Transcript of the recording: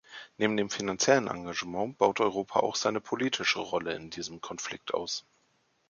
Neben dem finanziellen Engagement baut Europa auch seine politische Rolle in diesem Konflikt aus.